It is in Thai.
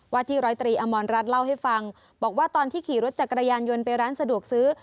วาที๑๐๓อรัฐเล่าให้ฟังบอกว่าตอนที่ขี่รถจากกระยานยนต์ไปร้านสะดวกซื้อ